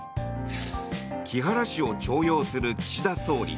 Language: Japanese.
木原氏を重用する岸田総理。